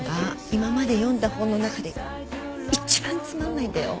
今まで読んだ本の中で一番つまんないんだよ。